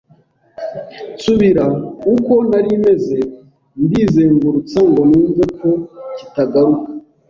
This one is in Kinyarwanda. nsubira uko nari meze ndizengurutsa ngo numve ko kitagaruka